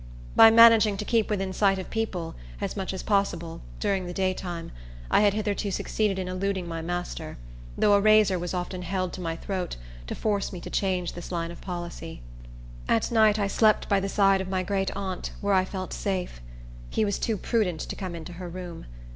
By managing to keep within sight of people, as much as possible, during the day time, I had hitherto succeeded in eluding my master, though a razor was often held to my throat to force me to change this line of policy. At night I slept by the side of my great aunt, where I felt safe. He was too prudent to come into her room.